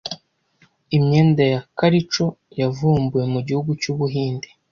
Imyenda ya Calico yavumbuwe mu gihugu cy'Ubuhinde